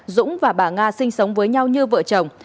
dũng và bà nga sinh sống với nhau như vợ chồng